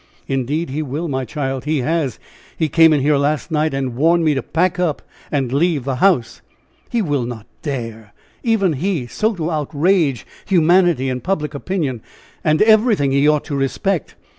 "Indeed he will, my child; he has; he came in here last night and warned me to pack up and leave the house." "He will not dare even he, so to outrage humanity and public opinion and everything he ought to respect."